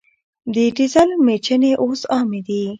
د ډیزل میچنې اوس عامې دي.